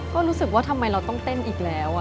ก็รู้สึกว่าทำไมเราต้องเต้นอีกแล้ว